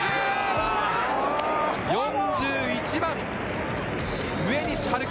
４１番・上西遥喜。